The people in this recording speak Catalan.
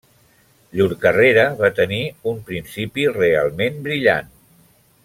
Llur carrera va tenir un principi realment brillant.